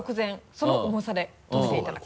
その重さでとめていただくと。